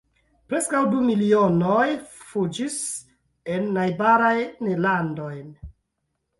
Preskaŭ du milionoj fuĝis en najbarajn landojn.